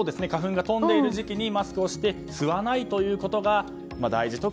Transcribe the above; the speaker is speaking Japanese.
花粉が飛んでいる時期にマスクをして吸わないということが大事。